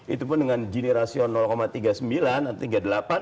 itu pun dengan gini rasio tiga puluh sembilan atau tiga puluh delapan